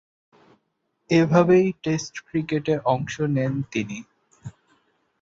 এভাবেই টেস্ট ক্রিকেটে অংশ নেন তিনি।